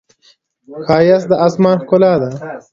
ښایست د آسمان ښکلا ده